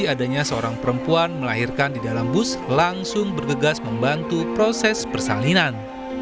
adanya seorang perempuan melahirkan di dalam bus langsung bergegas membantu proses persalinan